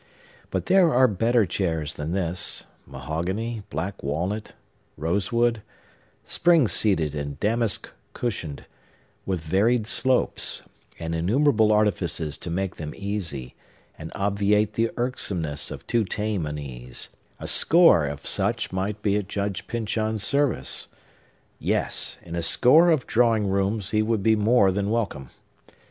But there are better chairs than this,—mahogany, black walnut, rosewood, spring seated and damask cushioned, with varied slopes, and innumerable artifices to make them easy, and obviate the irksomeness of too tame an ease,—a score of such might be at Judge Pyncheon's service. Yes! in a score of drawing rooms he would be more than welcome.